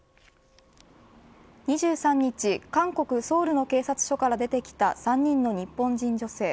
２３日、韓国、ソウルの警察署から出てきた３人の日本人女性。